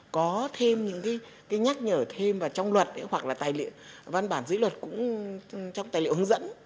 có thêm những cái nhắc nhở thêm vào trong luật hoặc là văn bản dĩ luật cũng trong tài liệu hướng dẫn